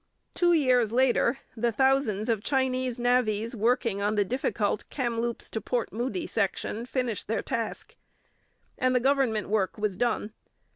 Two years later the thousands of Chinese navvies working on the difficult Kamloops Port Moody section finished their task, and the government work was done.